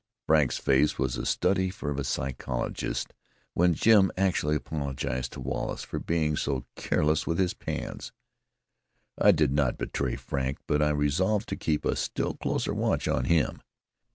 Frank's face was a study for a psychologist when Jim actually apologized to Wallace for being so careless with his pans. I did not betray Frank, but I resolved to keep a still closer watch on him.